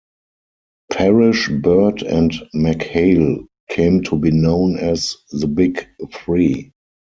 Parish, Bird and McHale came to be known as The Big Three.